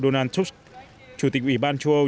donald tusk chủ tịch ủy ban châu âu